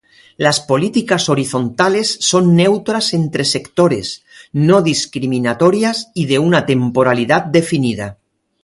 Las políticas horizontales son neutras entre sectores, no discriminatorias y de una temporalidad definida.